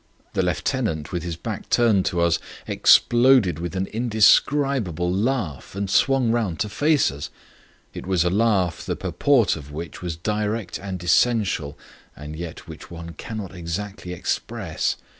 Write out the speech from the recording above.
The lieutenant, with his back turned to us, exploded with an indescribable laugh and swung round to face us. It was a laugh, the purport of which was direct and essential, and yet which one cannot exactly express.